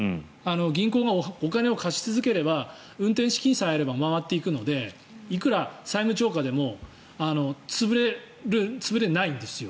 銀行がお金を貸し続ければ運転資金さえあれば回っていくのでいくら債務超過でも潰れないんですよ。